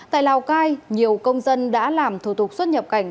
tại lào cai nhiều công dân đã làm thủ tục xuất nhập cảnh